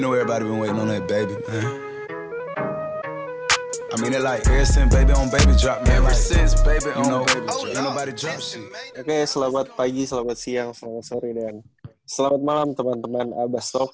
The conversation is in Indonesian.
oke selamat pagi selamat siang selamat sore dan selamat malam teman teman abastov